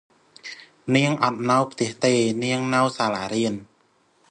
នាងអត់នៅផ្ទះទេ នាងនៅសាលារៀន។